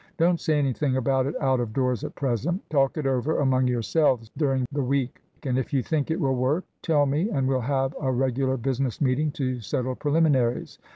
Don't say anything about it out of doors at present; talk it over among yourselves daring the week, and if you think it will work, tell me, and we'll have a regular business meeting to settle preliminaries.